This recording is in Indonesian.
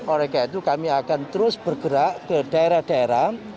oleh karena itu kami akan terus bergerak ke daerah daerah